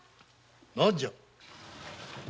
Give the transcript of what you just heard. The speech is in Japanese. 何じゃ？